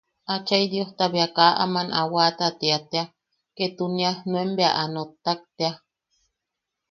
Achai Diosta bea kaa aman a wata tia tea, ketunia nuen bea a noktak tea.